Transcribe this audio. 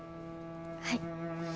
はい。